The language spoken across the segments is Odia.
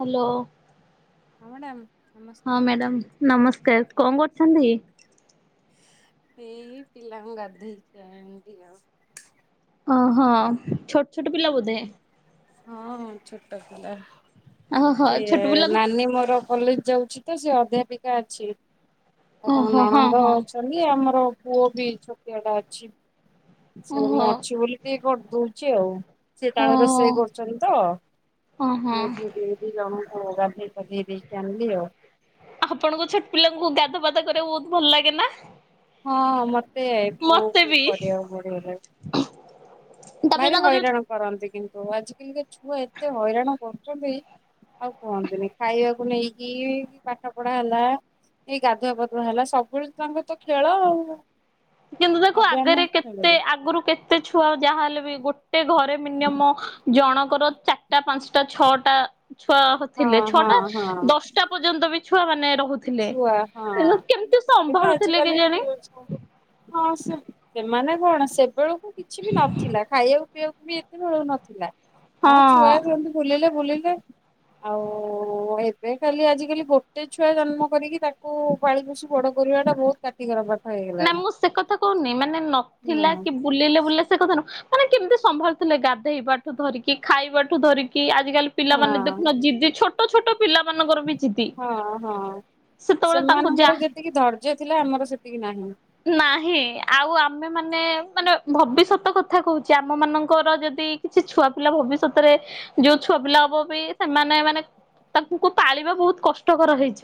ହାଲୋ ହଁ ମ୍ୟାଡ଼ାମ ନମସ୍କାର ହଁ ମ୍ୟାଡାମ ନମସ୍କାର କଣ କରୁଛନ୍ତି। ଏଇ ପିଲାଙ୍କ ଗାଧେଇ ଏଡିଆ ଅହଁ ଛୋ ଛୋଟ ପିଲା ବୋଧେ ହଁ ହଁ ଛୋଟ ପିଲା ଓହୋ ସେ ଛୋଟ ପିଲାଙ୍କୁ ନାନି ମୋର କଲେଜ ଯାଉଛି ତ ସେ ଅଧ୍ୟାପିକା ଅଛି ଆଉ ତାଙ୍କ ଓହୋ ହଁ ନଣନ୍ଦ ହଁ ଅଛନ୍ତି ଆମର ପୁଅ ବି ଛୋଟିଆ ଟା ଅଛି। ସେ ମୁଁ ଓହୋ ଅଛି ବୋଲି ଟିକେ କରିଦୁ ଚି ଆଉ। ସେ ଓ ତାର ରୋଷେଇ କରୁଛନ୍ତି ତ ଓହୋ। ମୁ ଜଣ ହଉ ଗାଧେଇ ପାଧେଇ ଦେଇକି ଆଣଲି ଆଉ। ଆପଣଙ୍କ ଛୋଟ ପିଲାଙ୍କୁ ଗାଧ ପାଧା କରିବାକୁ ବହୁତ ଭଲ ଲାଗେ ନା? ହଁ ମତେ ତେ ମତେ ପୁଆକୁ ବି। କରିବାକୁ ପଡଲେ ତାପରେ ଭାରି ତାଙ୍କ ଯୋଉ ହଇରାଣ କରନ୍ତି କିନ୍ତୁ ତ ଆଜିିକାଲି କେତେ ଛୁ ଏତେ ହଇରାଣ କରୁ ଆଉ କୁହନ୍ତିନି ଖାଇବାକୁ ନେଇକି ପାଠ ପଢା ହେଲା ଏ ଗାଧୁଆ ପଧୁଆ ହେଲା ସବୁବେଳେ ତାଙ୍କ ତ ଖେଳ ଆଉ କିନ୍ତୁ ଦେଖୁ ସବୁଆମେ ଆଗରେ କେତେ ଖେଳିବୁ ଆଗରୁ କେ ତେ ଛୁଆ ଯାହାହଲେ ବି ଗୋଟେ ଘରେ ମିନିମମ ଜଣଙ୍କର ଚାରିଟା ପାଞ୍ଚଟା ଛଅଟା ଛୁଆ ହଁ ଥିଲେ ହଁ ଛୁଆଟା ହଁ ଦଶଟା ପର୍ଯ୍ୟନ୍ତ ବି ଛୁଆ ମାନେ ବୁଥିଲେ ଛୁଆ ହଁ କେମତି ଏବେ ତ ସମ୍ଭାଳୁଥିଲେ କେ ଆଜିକାଲି ଜାଣି? ହଁ ସେ ସେମାନେ କଣ ସେବେଳୁ କିଛି ବି ନଥିଲା ଖାଇବାକୁ ପିଇବାକୁ ଏତେ ମିଳୁ ନଥିଲା। ହଁ ଛୁଆ ଦୁଅ ବୁଲିଲେ ବୁଲିଲେ ଆଉ ଏବେ ଖାଲି ଆଜି କାଲି ଗୋଟେ ଛୁଆ ଜନ୍ମ କରିକି ତାକୁ ପାଳି ପୋଷି ବଡ କରିବା ଟା ବହୁତ କାଠିକର ପାଠ ନା ହେଇଗଲାଣି ମୁଁ ସେ କଥା କହୁନି ମାନେ ନଥିଲା ହଁ କି ବୁଲିଲେ ବୁଲିଲେ ସେ କଥା ନୁହଁ ମାନେ କେମିତି ସମ୍ଭାଳିଥିଲେ ଗାଧେଇବାଠୁ ଧରିକି ଖାଇବାଠୁ ଧରିକି ଆ ଆଜିକାଲି ହଁ ପିଲାମାନେ ଦେଖୁନ ଯିଦି ଛୋଟ ଛୋଟ ଛୋଟ ହଁ ହଁ ସେତେବେଳେ ତାଙ୍କୁ ସେମାନଙ୍କର ଯାହା ଯେତିକି ଧୈର୍ଯ୍ୟ ଥିଲା ଆମର ସେତିକି ନାହିଁ। ନାହିଁ ଆଉ ଆମେ ମାନେ ମାନେ ଭବିଷ୍ୟତ କଥା କହୁଚେ ଆମ ମାନଙ୍କର ଯଦି କିଛି ଛୁଆ ପିଲା ଭବିଷ୍ୟତରେ ଯୋଉ ଛୁଆ ପିଲା ହବ ବି ସେମାନେ ମାନେ ତାଙ୍କୁ ପାଳିବା ବହୁତ କଷ୍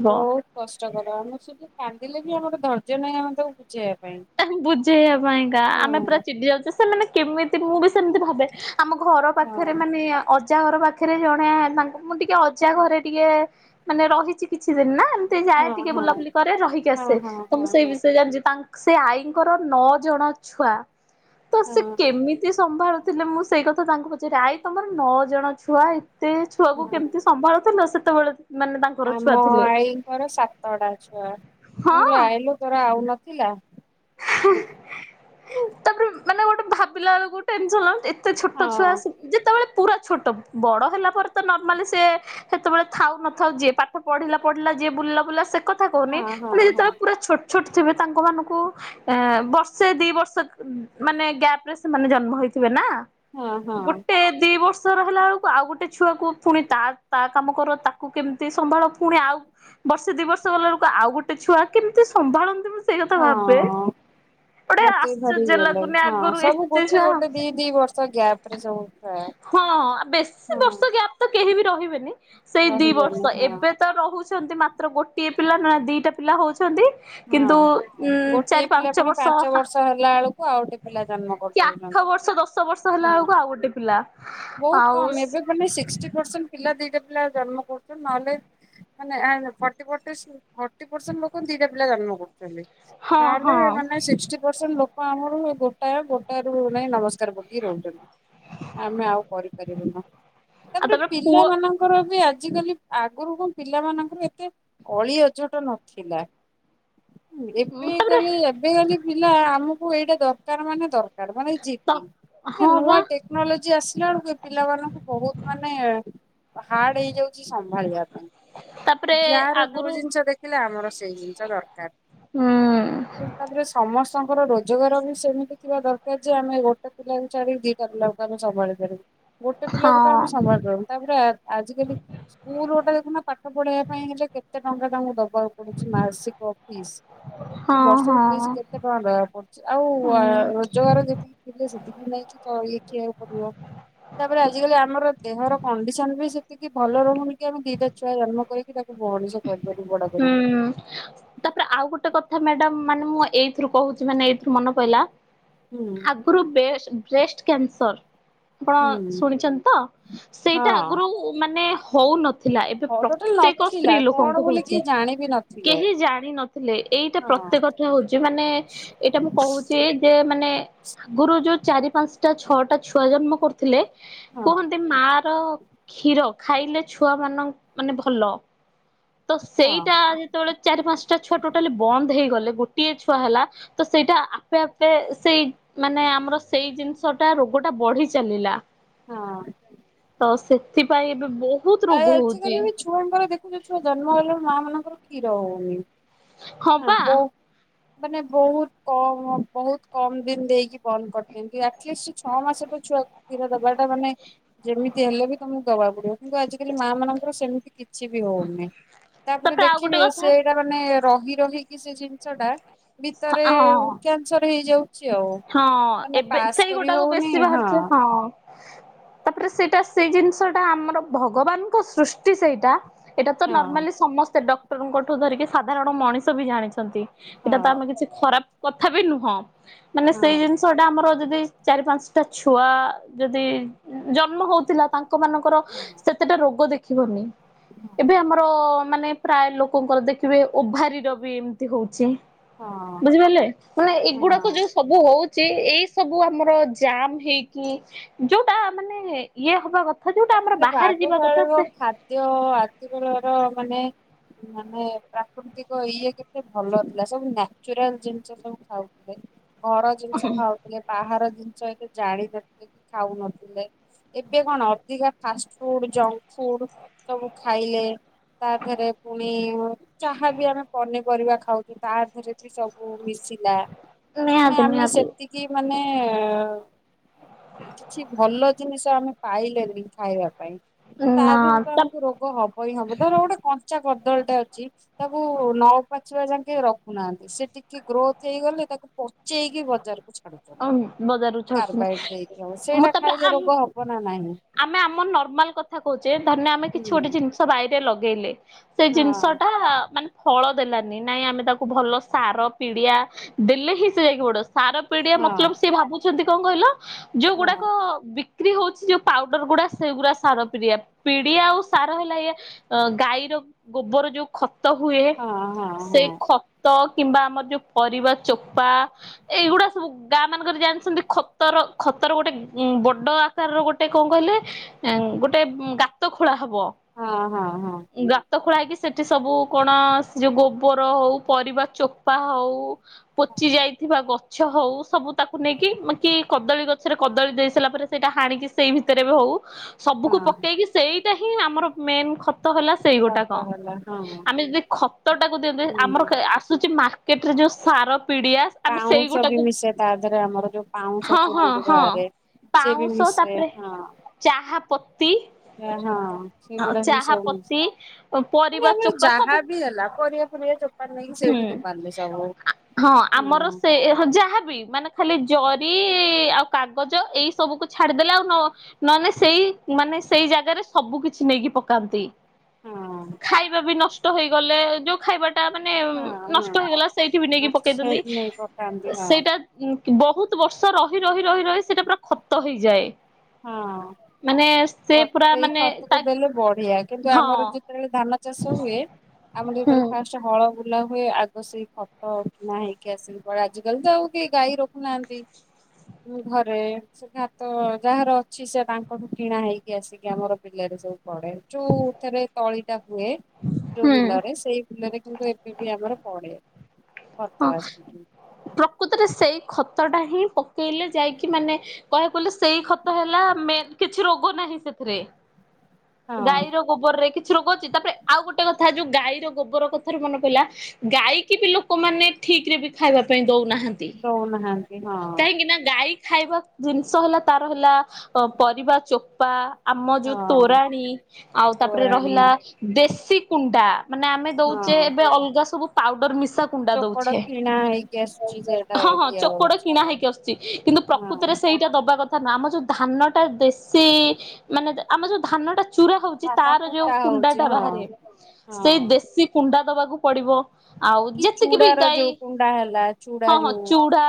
ବହୁତ କଷ୍ଟକର ଆମେ ସେଠି କାନ୍ଦିଲେ ବି ଆମର ଧର ଯ ନାଇଁ ଆମେ ତାକୁ ବୁଝେଇବା ପାଇଁ। ଏହ ବୁଝେଇବା ପାଇଁକା ଆମେ ପୁରା ହଁ ଚିଡ଼ି ଯାଉଛେ। ସେମାନେ କେମିତି ମୁଁ ବି ସେମିତି ଭାବେ ଆମ ଘର ହଁ ପାଖରେ ମାନେ ଅ ଅଜା ଘର ପାଖରେ ଜଣେ ତାଙ୍କୁ ମୁଁ ଟିକେ ଅଜା ଘରେ ଟିକେ ମାନେ ରହିଛି କି? ଛି ଦିନ ନା ଏମିତି ଯାଏ ହଁ ଟିକେ ହଁ ବୁଲାବୁଲି କରେ ରହିକି ଆସେ ହଁ ହଁ ତ ମୁଁ ହଁ ସେଇ ହଁ ବିଷୟରେ ଜାଣିଛି ତାଙ୍କ ସେ ଆଈଙ୍କର ନଅ ଜଣ ଛୁଆ ତ ସେ ହଁ କେମିତି ସମ୍ଭାଳୁ ଥିଲେ ମୁଁ ସେଇ କଥା ତାଙ୍କୁ ପଚାରେ ଆଈ ତମର ନଅ ଜଣ ଛୁଆ ହେ ଏତେ ଛୁଆକୁ କେମିତି ହଁ। ସମ୍ଭାଳୁଥିଲ ସେ ସେତେବେଳେ ମାନେ ତାଙ୍କର ଛୁଆ ଆମ ଥିଲେ ଆଈଙ୍କର ସାତଟା ଛୁଆ ମୁଁ ହଁ କହିଲି ଆଈ ଲୋ ତୋର ଆଉନ ଥିଲା। ହୁଁ ହୁଁ। ତାପରେ ମାନେ ଗୋଟେ ଭାବିଲା ବେଳକୁ ଟେନସନ ଲାଗୁଛି ଏ ତେ ଛୋଟ ଛୁଆ ହଁ ସେ ଯେତେବେଳେ ପୁରା ଛୋଟ ବଡ ହେଲା ପରେ ତ ନର୍ମାଲି ସିଏ ସେତେବେଳେ ଥାଉ ନଥାଉ ଯିଏ ପାଠ ପଢିଲା ପଢିଲା ଯିଏ ବୁଲିଲା ବୁଲିଲା ସେ କଥା କହୁନି ହଁ ହଁ ମାନେ ହଁ ଯେତେବେଳେ ପୁରା ଛୋ ଛୋଟ ଥିବେ ତାଙ୍କମାନଙ୍କୁ ଏଁ ବର୍ଷେ ଦି ବର୍ଷ ମାନେ ଗ୍ୟାପ ରେ ସେମାନେ ଜନ୍ମ ହୋଇଥିବେ ନା। ହଁ ହଁ ଗୋଟେ ଦି ବର୍ଷ ସେ ରହିଲା ବେଳକୁ ଆଉ ଗୋଟେ ଛୁଆକୁ ପୁଣି ତା ତା କାମ କର ତାକୁ କେମିତି ସମ୍ଭାଳ ପୁଣି ଆଉ ବର୍ଷେ ଦି ବର୍ଷ ଗଲା ବେଳକୁ ଆଉ ଗୋଟେ ଛୁଆ କେମିତି ସମ୍ଭାଳନ୍ତି ମ ସେଇ କଥା ଭାବ ହଁ ମତେ ଭରରେଇଗଲେ ଲାଗୁନି ହଁ ଆଗରୁ ସବୁ ଏତେ ଗୋଟେ ଛୁଆ ଗୋଟେ ଦି ଦି ବର୍ଷ ଗ୍ୟାପ ରେ ସବୁ ଥାଏ ହଁ ବେଶୀ ବର୍ଷ ହଁ। ଗ୍ୟାପ ତ କେହି ବି ରହିବେନି। ସେଇ ଦି ରହିଗଲେ ବର୍ଷ ହଁ ଏବେ ତ ରହୁ ଛନ୍ତି ମାତ୍ର ଗୋଟିଏ ପିଲା ନ ଦିଟା ପିଲା ହଉଛି ଛନ୍ତି କିନ୍ତୁ ହଁ ଉଁ ଚାରି ଗୋଟିଏ ପିଲା ପୁଣି ବର୍ଷ ପାଞ୍ଚ ବର୍ଷ ହେଲା ବେଳକୁ ଆଉ ଗୋଟେ ପିଲା ଜନ୍ମ କି ଆଠ କରିଦଉଛନ୍ତି। ବର୍ଷ ଦଶ ବର୍ଷ ହେଲା ହଁ ବେଳକୁ ଆଉ ଗୋଟେ ପିଲା ବହୁତ ଆଉ କମ ଏବେ ଖାଲି ସିକଷ୍ଟି ପରସେଣ୍ଟ୍ ପିଲା ଦିଟା ପିଲା ଜନ୍ମ କରୁଛନ୍ତି। ନହେଲେ ମାନେ ଅଣ୍ଡ୍ ଫର୍ଟି ଫର୍ଟି ସ ଫର୍ଟି ପରସେଣ୍ଟ ଲୋକ ଦିଟା ପିଲା ଜନ୍ମ କର ହେଲେ ହଁ ହଁ ନହେଲେ ଆଉ ମାନେ ସିକଷ୍ଟି ପରସେଣ୍ଟ୍ ଲୋକ ଆମର ଏ ଗୋଟାଏ କୋଟ ରୁ ନାଇଁ ନମସ୍କାର ପକେଇ ରହୁଛନ୍ତି ଆମେ ଆଉ ପାରିବୁନୁ ତାପରେ ପିଲା ମାନଙ୍କର ଆଉ ବି ଆଜି କାଲି ଆଗରୁ କଣ ପିଲାମାନଙ୍କର ଏତେ ଅଳି ଅଝଟ ନଥିଲା। ଏବେ କାଲି ଏବେ କାଲି ପିଲା ଆମକୁ ଏଇଟା ଦରକାର ମାନେ ଦର କାଡ୍ ମାନେ ଜିିଦି ହଁ ବା ନୂଆ ଟେକ୍ନୋଲୋଜି ଆସି ଦେଖିଲାବେଳକୁ ଏ ପିଲାମାନାନଙ୍କୁ ବହୁତ ମାନେ ହାର୍ଡ ହେଇଯାଉଛି ସମ୍ଭାଳିବା ପାଇଁ ତାପରେ ଯାହାର ଯୋଉ ଆଗରୁ ଜିନିଷ ଦେଖିଲେ ଆମର ସେଇ ଜିନିଷ ଦରକାର ହୁଁ ତାପରେ ସମସ୍ତଙ୍କର ରୋ ଯଗାର ବି ସେମିତି ଥିବା ଦରକାର ଯେ ଆମେ ଗୋଟେ ପିଲା ଛାଡିକି ଆମେ ଦିଟା ପିଲାଙ୍କୁ ଆମେ ସମ୍ଭାଳିବୁ ଗୋଟେ ପିଲାକୁ ତ ହଁ ଆମେ ସମ୍ଭାଳି ପାରୁନୁ ତାପରେ ଆ ଆଜି ସ୍କୁଲ ଗୋଟା ଦେଖୁନା ପାଠ ପଢେଇବା ପାଇଁ ହେଲେ କେତେ ଟଙ୍କା ତାଙ୍କୁ ଦବାକୁ ପଡୁଛି ମାସିକ ଫିସ୍ କି ହଁ ବର୍ଷକୁ ହଁ। ଫିସ୍ କେତେ ଟଙ୍କା ଦବାକୁ ପଡୁଛି ଆଉ ହୁଁ ଆ- ରୋଜଗାର ଯେତିକି ଥିଲେ ସେତିକି [unintelligible] ତାପରେ ଆଜିକାଲି ଆମର ଦେହର କଣ୍ଡିସନ ବି ସେତିକି ଭଲ ରହୁନି କି ଆମେ ଦିଟା ଛୁଆ ଜନ୍ମ କରିକି ତାକୁ ବଣିଷ ହୁଁ ତାପରେ ଆଉ ଗୋଟେ କଥା ମ୍ୟାଡାମ୍ ମାନେ ମୁଁ ଏଇଥିରୁ କହୁଛିମାନେ ଏଇଥିରୁ ମନ ପହିଲା ହୁଁ ଆଗୁରୁ ବେଶ୍ ବ୍ରେଷ୍ଟ କ୍ୟାନ୍ସର। ଆପଣ ହୁଁ ଶୁଣିଛନ୍ତି ତ ସେଇଟା ହଁ। ଆଗରୁ ମାନେ ହଉନଥିଲା ଏବେ ହଉ ଟୋଟାଲ ପ୍ରତ୍ୟେକ ନଥିଲା ସ୍ତ୍ରୀ କଣ ଲୋକଙ୍କୁ ବୋଲି ହଉଛି। କିଏ ଜାଣି ବି ନଥିଲେ କେହି ଜାଣିନଥିଲେ ଏଇଟା ହଁ ହଁ। ପ୍ରତ୍ୟେକ ଠେ ହଉଛି ମାନେ ଏଇଟା ମୁଁ କହୁଛି ଯେ ମାନେ ଆଗୁରୁ ଯୋଉ ଚାରି ପାଞ୍ଚଟା ଛଅଟା ଛୁଆ ଜନ୍ମ କରୁଥିଲେ। ହଁ କୁହନ୍ତି ମା ର କ୍ଷୀର ଖାଇଲେ ଛୁଆ ମାନଙ୍କ ମାନେ ଭଲ। ତ ସେଇ ଟା ହଁ ଯେତେବେଳେ ଚାରି ପାଞ୍ଚଟା ଛୁଆ ଟୋଟାଲି ବନ୍ଦ ହେଇଗଲେ ଗୋଟେ ଗୋଟିଏ ଛୁଆ ହେଲା ତ ସେଇଟା ଆପେ ଆପେ ସେଇ ମାନେ ଆମର ସେଇ ଜିନିଷ ଟା ରୋଗ ଟା ବଢି ଚାଲିଲା। ହଁ। ତ ସେଥିପାଇଁ ଏବେ ବହୁତ ଆ ରୋଗ ହଉଛି ଆଜିକାଲି ବି ଛୁଆଙ୍କର ଦେଖୁଛ ଛୁଆ ଜନ୍ମ ହେଲାଣି ମାଆ ମାନଙ୍କର କ୍ଷୀର ହଉନି। ହଁ ପା। ମାନେ ବହୁତ କମ ବହୁତ କମ ଦିନ ଦେଇକି ବନ୍ଦ କରିଦିଅନ୍ତି। ଆଟଲିଷ୍ଟ ଛଅ ମାସେ ତ ଛୁଆ କୁ କ୍ଷୀର ଦବାଟା ମାନେ ଯେମିତି ହେଲେ ବି ତମକୁ ଦବାକୁ ପଡିବ। ଆଜିକାଲି ମା ମାନଙ୍କର ସେମିତି କିଛି ବି ହଉନି ତାପରେ ଆଉ ଗୋଟେ ଦେଖିବେ ସେ କଥା ଏଇଟା ମାନେ ରହି ରହି କିି ସେ ଜିନିଷ ଟା ଭିତରେ ହଁ କ୍ୟାନସର ହେଇଯାଉ ହଁ ଏବେ ସେଇଗୋଟାକୁ ବେଶୀ ବାହାରୁଛି ହଁ। ତାପରେ ସେଇଟା ସେଇ ଜିନିଷ ଟା ଆମର ଭଗବାନଙ୍କ ସୃଷ୍ଟି ସେଇଟା ଏଇଟା ତ ହଁ ନର୍ମାଲି ସମସ୍ତେ ଡ ଙ୍କଠୁ ଧରିକି ସାଧାରଣ ମଣିଷ ବି ଜାଣିଛନ୍ତି। ଏଇଟା ତ ହଁ ଆମେ କିଛି ଖରାପ କଥା ବି ନୁହଁ। ମାନେ ସେଇ ହଁ ଜିନିଷଟା ଆମର ଯଦି ଯ ଚାରି ପାଞ୍ଚଟା ଛୁଆ ଯଦି ଜନ୍ମ ହଉଥିଲା ତାଙ୍କ ଲୋକ ମାନଙ୍କର ହଁ ସେତେଟା ରୋଗ ଦେଖ ଦେଖିବନି ଏବେ ଆମର ମାନେ ପ୍ରାୟ ଲୋକଙ୍କର ଦେଖିବେ ଓଭାରିର ବି ଏମିତି ହଉଛି। ହଁ ବୁଝିପାରିଲେ ମାନେ ହଁ। ଏଗୁଡାକ ଯୋଉ ସବୁ ହଉଛି ଏଇ ସବୁ ଆମର ଜାମ ହେଇକି ଯୋଉଟା ମାନେ ଇଏ ହବା କଥା ଯୋଉଟା ତାପରେ ଆମର ଦେଖ ବାହାରେ ଯିବା କଥା ଆଗକାଳର ସେ ଖାଦ୍ୟ ଆଜିକେଳର ମାନେ ମାନେ ପ୍ରାକୃତିକ ଇଏ କେତେ ଭଲ ଥିଲା ସବୁ ନ୍ୟାଚୁରାଲ ଜିନିଷ ସବୁ ଖାଉଥୁଲେ। ଘର ଜିନିଷ ଖାଉଥୁଲେ ବାହାର ଜିନ୍ ଚ ଏତେ ଜାଣି ନଥିଲେ କି ଖାଉନଥୁଲେ ଏବେ କଣ? ଅଧିକା ଫାଷ୍ଟ୍ ଫୁଡ୍ ଜଙ୍କ ଫୁଡ୍ ସବୁ ଖାଇଲେ ତା ଧେରେ ପୁଣି ଚାହା ବି ଆମେ ପନିପରିବା ଖାଉଚୁ ତା ଧେରେ ବି ସବୁ ମିଶ ଛିଲା ମାନେ ନିହାତି ଆମେ ନିହାତି ସେତିକି ମାନେ ଏଅ କିଛି ଭଲ ଜିନିଷ ଆମେ ପାଇଲେରେ ଇଁ ଖାଇବା ପାଇଁ। ତା ନା ଧେରେ ତ ତା ଆମୁକୁ ରୋଗ ହବ ହିଁ ହବ ଧର ଗୋଟେ କଞ୍ଚା କ ଦଳୀଟା ଅଛି ତାକୁ ନ ପାଚିବା ଯାଁକେ ରଖୁନାହାନ୍ତି ସେ ଟିକେ ଗ୍ରୋଥ ହେଇଗଲେ ତାକୁ ପଚେଇକି ବଜାର କୁ ଛାଡ଼ୁଚନ୍ତି ବଜାରରୁ କାର୍ବାଇଟ୍ ଛାଡୁଛନ୍ତି ଦେଇକି। ଅ ମୁଁ ସେଇଟା ତାପରେ ଖାଇଲେ ଆମ ରୋଗ ହବ ନା ନାହିଁ? ଆମେ ଆମର ନର୍ମାଲ କଥା କୋହୁଥୁ ଯେ ଧନିଆ ଆମେ କିଛି ଗୋଟେ ହୁଁ ଜିନିଷ ବାଇ ତେ ଲଗେଇଲେ। ସେ ହଁ। ଜିନିଷଟା ମାନେ ଫଳ ଦେଲାନି। ନାଇଁ ଆମେ ତାକୁ ଭଲ ସାର ପିଡ଼ିଆ ଦେଲେ ହିଁ ସେ ଯାଇକି ବଡିବ। ସାର ପିଡ଼ିଆ ମତଲବ ହଁ ସିଏ ଭାବୁ ଛନ୍ତି କଁ କହିଲ ଯୋଉ ହଁ ଗୁଡ଼ାକ ବି କ୍ରି ହୋଉଛି ଯୋଉ ପାଉଡର ଗୁଡ଼ା ସେଗୁଡା ସାର ପିଡ଼ିଆ‌ ପିଡ଼ିଆ ଆଉ ସାର ହେଲା ଏଇଆ ଅ ଗାଈର ଗୋବର ଯୋଉ ଖ ତ ହୁଏ ହଁ ହଁ ସେଇ ଖତ କିମ୍ବା ଆମର ଯୋଉ ପରିବା ଚୋପା ଏଇଗୁଡା ସବୁ ଗାଁମାନଙ୍କରେ ଜାଣିଛନ୍ତି ଖତର ଖତର ଗୋଟେ ଉଁ ବଡ଼ ଆକାରର ଗୋଟେ କଣ କହିଲେ ଇଁ ଗୋଟେ ଗାତ ଖୋଳା ହବ। ହଁ ହଁ ହଁ। ତ ଖୋଳା ହେଇକି ସେଠି ସବୁ କଣ ସେ ଯୋଉ ଗୋବର ହଉ ପରିବା ଚୋପା ହଉ ପଚି ଯାଇଥିବା ଗ ଛ ହଉ ସବୁ ତାକୁ ନେଇକି ମି଼ କି କଦଳୀ ଗଛରେ କଦଳୀ ଦେଇ ସାଇଲା ପରେ ସେଇଟା ହାଣିକି ସେଇ ଭିତରେ ବି ହଉ ସବୁକୁ ହଁ ପକେଇକି ସେଇଟା ହିଁ ଆମର ମେନ ଖତ ହେଲା ସେଇ ଗୋଟାକ। କଥା ହେଲା ହଁ ଆମେ ଯଦି ଖତଟାକୁ ଦିଅନ୍ତେ ହୁଁ। ଆମର ଆସୁଚି ମାର୍କେଟରେ ଯୋଉ ସାର ପିଡ଼ିଆ ଆମେ ଶ ବି ସେଇଗୁଟାକୁ ମିଶେ ତା ଧେରେ ଆମର ଯୋଉ ପାଉଁଶ ହଁ ହଁ ଚୁଲିରୁ ହଁ ବାହାରେ ସିଏ ବି ମିଶେ ହଁ। ହାପ ଏ ହଁ ସେଗୁଡା ହିଁ ଚାହା ପତି ସମସ୍ତେ ପରିବା ମାନେ ଆମର ଚୋପା ସବୁ ଯାହା ବି ହେଲା ପରିବା ଫରିବ ଚୋପା ନେଇକି ହୁଁ ସେଇଠି ଫୋଫାଡିଲେ ସବୁ ଆମର ହଁ। ସେ ଯାହାବି ମାନେ ଖାଲି ଜରି ଆଉ କାଗଜ ଏଇ ସବୁକୁ ଛାଡିଦେଲେ ଆଉ ନ ନନେ ସେଇ ମାନେ ସେଇ ଜାଗାରେ ସବୁ କିଛି ନେଇକି ପକାନ୍ତି। ହଁ ଖାଇବା ବି ନଷ୍ ଷ୍ଟ ହେଇଗଲେ ଯୋଉ ଖାଇବା ଟା ମାନେ ହଁ ନଷ୍ଟ ହଁ ହେଇଗଲା ସେଇଠି ବି ନେଇକି ପକେଇଦିଅନ୍ତି ସେଇଠି ନେଇ ପକାନ୍ତି ହଁ। ସେଇଟା ବହୁତ ବର୍ଷ ରହି ରହି ରହି ରହି ସେଟା ପୁରା ଖତ ହେଇଯାଏ। ହଁ। ମାନେ ସେ ଖତ ପୁରା ସେଇ ମାନେ ତା ଖତକୁ ଦେଲେ ବଢିଆ କିନ୍ତୁ ହଁ ଆମର ଯେତେବେଳେ ଧା ଚାଷ ହୁଏ ଆମର ହୁଁ ଯେତବେଳେ ଫାଷ୍ଟ ହଳ ବୁଲା ହୁଏ ଆଗ ସେଇ ଖତ କିଣା ହେଇକି ଆସିକି ଆଜିିକାଲି ତ ଆଉ କେହି ଗାଈ ରଖୁନାହାନ୍ତି ଘରେ ସେ ଖାତ ଯାହାର ଅଛି ସେ ତାଙ୍କଠୁ କିଣା ହେଇକି ଆସିକି ଆମର ବିଲରେ ସବୁ ପଡେ ଯୋଉ ଏଥିରେ ତଳି ଟା ହୁଏ ଯୋଉ ହୁଁ। ବିଲରେ ସେଇ ବିଲରେ କିନ୍ତୁ ଏବେ ବି ଆମର ପଡେ ହଁ ଖତ ଆସିକି। ପ୍ରକୃତରେ ସେଇ ଖତ ଟା ହିଁ ପକେଇଲେ ଯାଇକି ମାନେ କହିବାକୁଲେ ସେଇ ଖତ ହେଲା କିଛି ରୋଗ ନାହିଁ ସେଥିରେ ହଁ ଗାଈର ଗୋବରରେ କିଛି ରୋଗ ଅଛି ତାପରେ ଆଉ ଗୋଟେ କଥା ଯୋଉ ଗାଈର ଗୋବର କଥାରୁ ମନେ ପଡିଲା ଗଈ କି ଲୋକ ଲୋକ ମାନେ ଠିକ ରେ ବି ଖାଇବା ପାଇଁ ଦଉ ନାହାନ୍ତି ଦଉନାହାନ୍ତି ହଁ କାହିଁକି ନା ଗାଈ ଖାଇବା ଜିନିଷ ହେଲା ତାର ହେଲା ଅ ପରିବା ଚୋପା ଆମ ଯୋଉ ହଁ। ତୋରାଣୀ ଆଉ ତାପରେ ତୋରାଣୀ ରହିଲା ଦେଶ ସେ କୁଣ୍ଡା ମାନେ ଆମେ ଦଉଛେ ହଁ। ଏବେ ଅଲଗା ସବୁ ପାଉଡର ମିସା କୁଣ୍ଡା ଚୋକଡ ଦଉଛି କିଣା ହେଇକି ଆସୁଛି ସେଇଟା ହଁ ହଁ ଦିଆ ଚୋକଡ ହଉଛି। କିଣା ହେଇକି ଆସୁଛି କିନ୍ତୁ ପ୍ରକୃତରେ ହଁ। ସେଇଟା ଦବା କଥା ଆମ ଯୋଉ ଧାନଟା ଦେଶୀ ମାନେ ଆମ ଯୋଉ ଧାନଟା ଚୁରା ହଉଛି ଧାନ ତାର ଯୋଉ କୁଟା ହଉଛି କୁଣ୍ଡାଟା ହଁ। ବାହାରେ ସେଇ ହଁ। ଦେଶୀ କୁଣ୍ଡା ଦବାକୁ ପଡିବ ଆଉ କି ଯେତ ସିଖିବି ଚୁଡାର ଯାଇ ଯୋଉ କୁଣ୍ଡା ହେଲା ଚୁଡା ହଁ ହଁ ଯୋଉ ଚୁଡା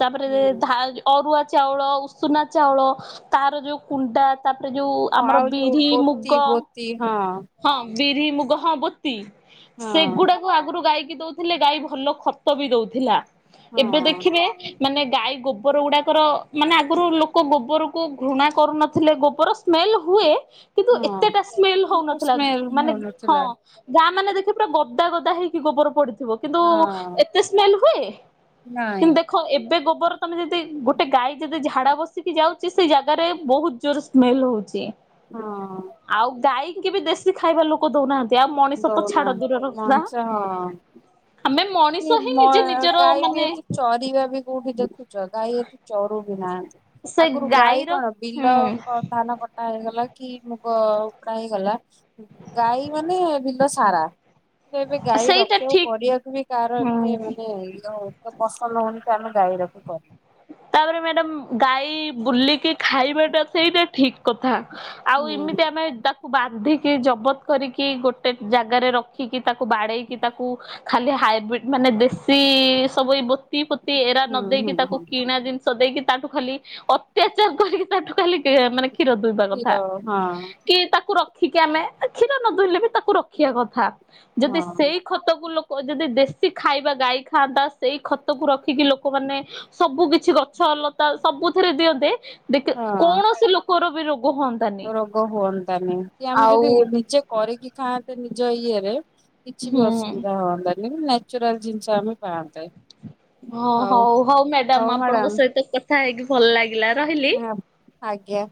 ତାପରେ ହୁଁ ଧାନ ଅରୁଆ ଚାଉଳ, ଉଷୁନା ଚାଉଳ ତାର ଯୋଉ କୁଣ୍ଡା ତାପରେ ଯୋଉ ହଁ ଆମର ଆଉ ଯୋଉ ବିରି ମୁଗ ବୋତି ବୋତି ହଁ। ହଁ। ବିରି, ମୁଗ, ହଁ ବୋତି ହଁ ସେଗୁଡାକୁ ଆଗରୁ ଗାଇକି କି? ଥିଲେ ଗାଈ ଭଲ ଖ ବି ଦଉଥିଲା ଏବେ ହଁ ଦେଖିବେ ମାନେ ଗାଈ ଗୋବର ଗୁଡ଼ାକର ମାନେ ଆଗରୁ ଲୋକ ଗୋବରକୁ ଘୃଣା କରୁନଥିଲେ ଗୋବର ସ୍ମେଲ ହୁଏ। କିନ୍ତୁ ହଁ। ଏତେଟା ସ୍ମେଲ କିନ୍ତୁ ହଉନଥିଲା ସ୍ମେଲ ମାନେ ହଁ ହଉନଥିଲା। ଯା ମାନେ ଦେଖି ପୁରା ଗଦା ଗଦା ହେଇକି ଗୋବର ପଡିଥିଲା। କିନ୍ତୁ ହଁ ଏତେ ସ୍ମେଲ ହୁଏ ନାଇଁ କିନ୍ତୁ ଦେଖ ଏବେ ଗୋବର ପର ତମେ ଯଦି ଗୋଟେ ଗାଈ ଯଦି ଝାଡା ବସିକି ଯାଉଛି ସେଇ ଜାଗାରେ ବହୁତ ଜୋର ସ୍ମେଲ ହଉଛି। ହଁ। କେବେ ଦେଶୀ ଖାଇବା ଲୋକ ଦଉନାହାନ୍ତି। ଆଉ ମଣିଷ ତ ଛାଡ ଦଉନାହନ୍ତି, ଦୂରର କଥା। ମଣିଷ। ଆମେ କି ମଣିଷ ହିଁ ମ ନିଜେ ନିଜର ଗାଈ ବି ମାନେ ଏତେ ଚରିବା ବି କୋଉଠି ଦେଖୁଛ ଗାଈ ଏତେ ଚରୁ [unintelligible] ସେ ଆଗରୁ ଗାଈ ଗାଈର କଣ ହୁଁ ବିଲ କଣ ଧାନ କଟା ହେଇଗଲା। କି ମୁଗ [unintelligible] ଗଲା ଗାଈ ମାନେ ବିଲ ସାରା ତ ଏବେ ଗାଈ ସେଇଟା ରଖିବାକୁ ଠିକ କରିବାକୁ ବି କାହାର ହୁଁ। ମାନେ ପସନ୍ଦ ହଉନି କାରଣ ଗାଈ ରଖିବୁ ପରେ ତାପରେ ମ୍ୟାଡାମ ଗାଈ ବୁଲିକି ଖାଇବାଟା ସେଇଟା ଠିକ କଥା। ଆଉ ଏମିତି ହୁଁ ଆମେ ତାକୁ ବାନ୍ଧିକି ଜବତ କରିକି ଗୋଟେ ଜାଗାରେ ରଖିକି ତାକୁ ବାଡେଇକି ତାକୁ ଖାଲି ହାଇବ୍ରିଡ ମାନେ ଦେଶୀ ସବୁ ଏଇ ବୋତି ପୋତି ଏରା ନ ହୁଁ ହୁଁ ଦେଇେକି ତାକୁ ହୁଁ ଜିନିଷ ଦେଇକି ତାଠୁ ଖାଲି ଅତ୍ୟାଚାର କରିକି ତାଠୁ ଖାଲି ମାନେ କ୍ଷୀର ଦୁଇବା କ୍ଷୀର କଥା ହଁ କି ତାକୁ ରଖି ରଖିକି ଆମେ କ୍ଷୀର ନ ଦୁହିଁଲେ ବି ବି ତାକୁ ରଖିବା କଥା। ଯଦି ହଁ ସେଇ ଖତକୁୁ ଲୋକ ଯଦି ଦେଶୀ ଖାଇବା ଗାଈ ଖାଆନ୍ତା ସେଇ ଖତକୁ ରଖି କି ଲୋକମାନେ। ସବୁ କିଛି କ ଗଛ ଲତା ସବୁଥିରେ ଦିଅନ୍ତେ ଦେଖ ହଁ କୌଣସି ଲୋକର ର ରୋଗ ହୁଅନ୍ତାନି କି ଆମେ ଆଉ ଯଦି ନିଜେ କରିକି ଖାଆନ୍ତେ। ଯଇ ଇଏରେ କିଛି ବି ହୁଁ ଅସୁବିଧା ହଅନ୍ତାନି। ଚୁରାଲ ଜିନିଷ ଆମେ ପାଆନ୍ତେ। ହଁ ହଉ ହଉ ମ୍ୟାଡାମ ଆପଣଙ୍କ ସହିତ କଥା ହେଇକି ଭଲ ଲାଗେ। ହଁ ଆଜ୍ଞା।